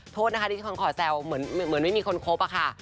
โทษนะคะที่ฉันขอแซวเหมือนไม่มีคนคบอะค่ะ